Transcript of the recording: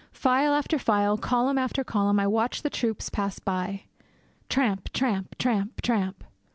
File after file, column after column, I watched the troops pass by. Tramp! tramp! tramp! tramp!